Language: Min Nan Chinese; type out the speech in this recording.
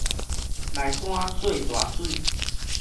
內山做大水